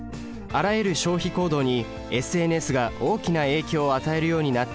あらゆる消費行動にＳＮＳが大きな影響を与えるようになっているのです。